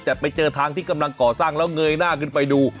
แต่ไปเจอทางที่กำลังก่อสร้างแล้วเงยหน้าขึ้นไปดู